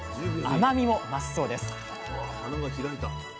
甘みも増すそうです